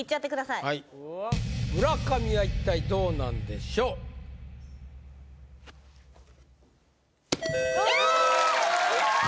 はい村上は一体どうなんでしょうイヤー！